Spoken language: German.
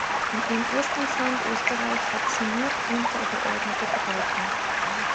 In ihrem Ursprungsland Österreich hat sie nur untergeordnete Bedeutung.